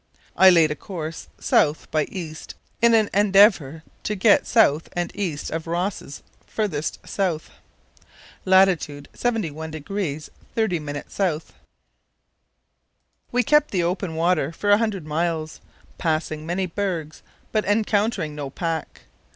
I laid a course south by east in an endeavour to get south and east of Ross's farthest south (lat. 71° 30´ S.). We kept the open water for a hundred miles, passing many bergs but encountering no pack.